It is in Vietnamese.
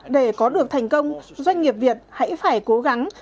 để có được thành công doanh nghiệp việt hãy phải cố gắng